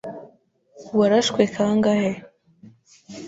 Warashwe kangahe?